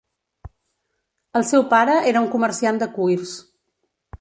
El seu pare era un comerciant de cuirs.